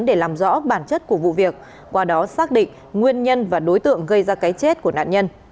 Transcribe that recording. để làm rõ bản chất của vụ việc qua đó xác định nguyên nhân và đối tượng gây ra cái chết của nạn nhân